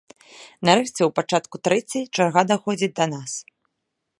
Нарэшце ў пачатку трэцяй чарга даходзіць да нас.